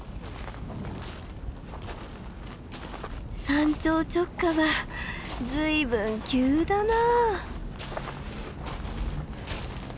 山頂直下は随分急だな。